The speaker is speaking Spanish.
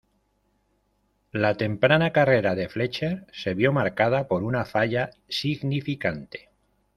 La temprana carrera de Fletcher se vio marcada por una falla significante.